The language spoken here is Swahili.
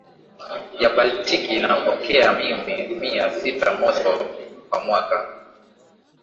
ya Baltiki inapokea mm Mia sita Moscow kwa mwaka